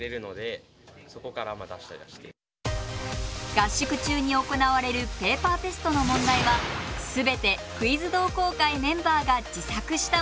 合宿中に行われるペーパーテストの問題はすべてクイズ同好会メンバーが自作した問題。